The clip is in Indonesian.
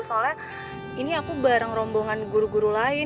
soalnya ini aku bareng rombongan guru guru lain